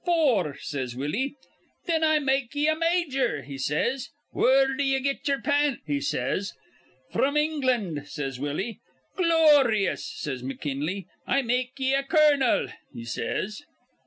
'Four,' says Willie. 'Thin I make ye a major,' he says. 'Where d'ye get ye'er pants?' he says. 'Fr'm England,' says Willie. 'Gloryous,' says McKinley. 'I make ye a colonel,' he says.